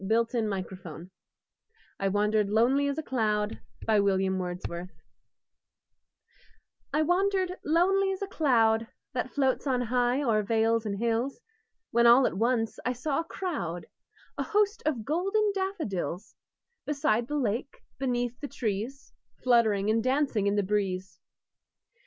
William Wordsworth I Wandered Lonely As a Cloud I WANDERED lonely as a cloud That floats on high o'er vales and hills, When all at once I saw a crowd, A host, of golden daffodils; Beside the lake, beneath the trees, Fluttering and dancing in the breeze.